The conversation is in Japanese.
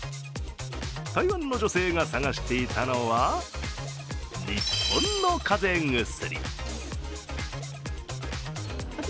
台湾の女性が探していたのは日本の風邪薬。